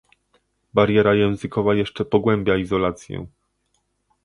Bariera językowa jeszcze pogłębia izolację